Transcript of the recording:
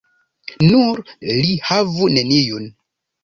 Nur li havu neniun.